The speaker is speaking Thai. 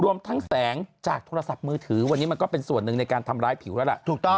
รวมทั้งแสงจากโทรศัพท์มือถือวันนี้มันก็เป็นส่วนหนึ่งในการทำร้ายผิวแล้วล่ะถูกต้อง